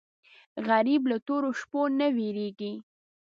غریب له تورو شپو نه وېرېږي